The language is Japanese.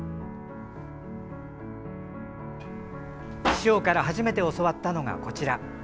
師匠から初めて教わったのが、こちら。